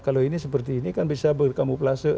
kalau ini seperti ini kan bisa berkamuflase